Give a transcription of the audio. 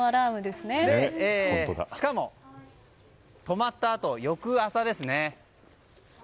しかも泊まったあと、翌朝ですね。